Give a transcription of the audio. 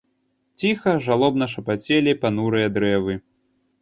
Ціха, жалобна шапацелі панурыя дрэвы.